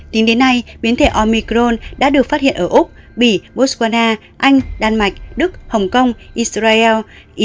tính đến nay biến thể omicron đã được phát hiện ở úc bỉ botswana anh đan mạch đức hồng kông israel